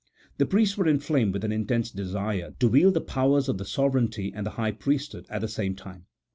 The priests were inflamed with an intense desire to wield the powers of the sovereignty and the high priesthood at the same time.